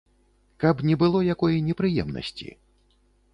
Каб не было якой непрыемнасці.